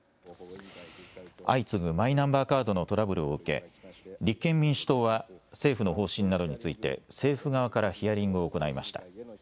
相次ぐマイナンバーカードのトラブルを受け立憲民主党は政府の方針などについて政府側からヒアリングを行いました。